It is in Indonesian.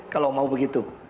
kalau mau begitu